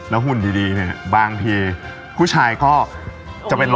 อยากกำลังกายก้น